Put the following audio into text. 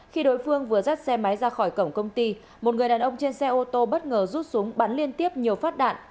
khi đối phương vừa dắt xe máy ra khỏi cổng công ty một người đàn ông trên xe ô tô bất ngờ rút súng bắn liên tiếp nhiều phát đạn